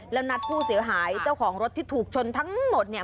แล้วนัดผู้เสียหายเจ้าของรถที่ถูกชนทั้งหมดเนี่ย